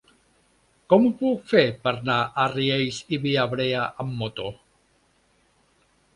Com ho puc fer per anar a Riells i Viabrea amb moto?